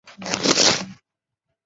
博拉泽克人口变化图示